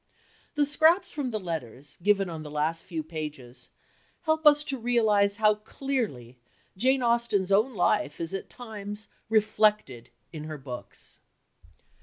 The scraps from the letters, given on the last few pages, help us to realize how clearly Jane Austen's own life is at times reflected in her books.